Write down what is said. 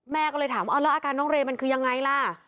แม่ก็เลยถามว่าแล้วอาการน้องเรย์มันคือยังไงล่ะ